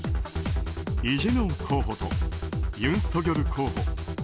イ・ジェミョン候補とユン・ソギョル候補